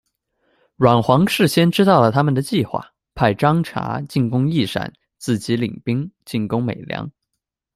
阮潢事先知道了他们的计画，派张茶进攻义山，自己领兵进攻美良。